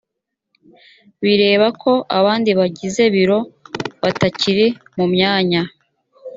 bireba ko abandi bagize biro batakiri mu myanya